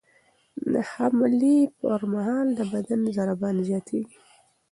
د حملې پر مهال د بدن ضربان زیاتېږي.